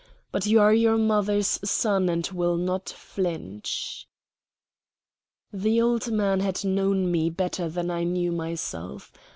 But you are your mother's son, and will not flinch." The old man had known me better than I knew myself.